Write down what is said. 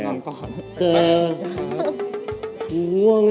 เอ่อโหล